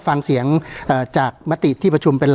การแสดงความคิดเห็น